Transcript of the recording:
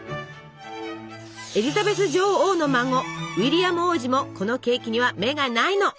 エリザベス女王の孫ウィリアム王子もこのケーキには目がないの！